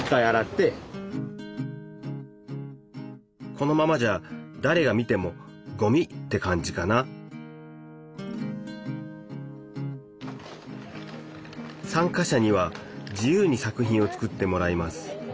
このままじゃだれが見てもごみって感じかな参加者には自由に作品を作ってもらいます。